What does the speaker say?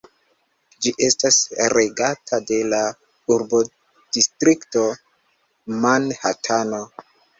Ĝi estas regata de la urbodistrikto Manhatano.